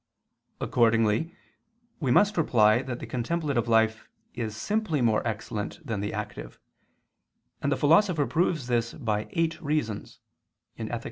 Accordingly we must reply that the contemplative life is simply more excellent than the active: and the Philosopher proves this by eight reasons (Ethic.